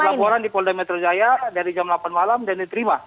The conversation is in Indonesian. laporan di polda metro jaya dari jam delapan malam dan diterima